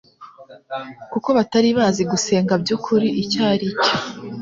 kuko batari bazi gusenga by'ukuri icyo ari cyo.